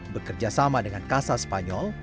bekerja sama dengan kasa spanyol